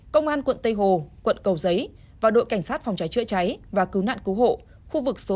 công an quận tây hồ quận cầu giấy và đội cảnh sát phòng cháy chữa cháy và cứu nạn cứu hộ khu vực số bốn